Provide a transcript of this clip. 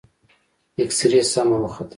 اكسرې سمه وخته.